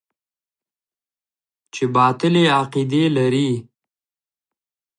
چې باطلې عقيدې لري.